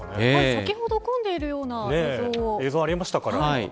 先ほど混んでいるような映像がありましたけど。